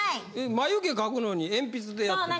まゆ毛描くのに鉛筆でやってた。